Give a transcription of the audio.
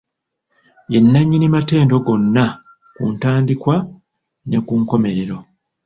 Ye nnanyini matendo gonna ku ntandikwa ne ku nkomerero.